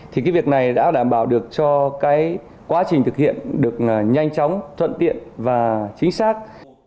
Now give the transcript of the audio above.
thì cái việc này đã đảm bảo được cho cái quá trình thực hiện được nhanh chóng thuận tiện và chính xác